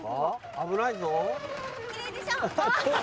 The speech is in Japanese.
危ないぞ。